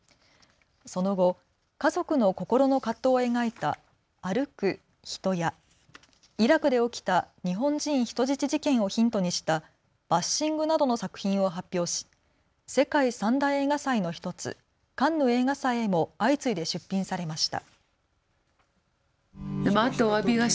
その後、家族の心の葛藤を描いた、歩く、人やイラクで起きた日本人人質事件をヒントにしたバッシングなどの作品を発表し、世界３大映画祭の１つカンヌ映画祭へも相次いで出品されました。